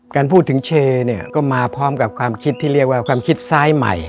การพูดถึงเชเนี่ยก็มาพร้อมกับความคิดที่เรียกว่าความคิดซ้ายใหม่